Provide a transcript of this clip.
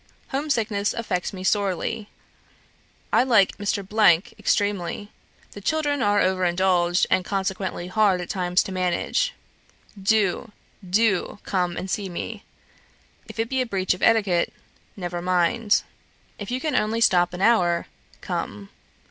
Home sickness affects me sorely. I like Mr. extremely. The children are over indulged, and consequently hard at times to manage. Do, do, do come and see me; if it be a breach of etiquette, never mind. If you can only stop an hour, come.